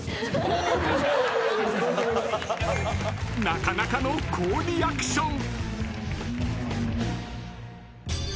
［なかなかの好リアクション］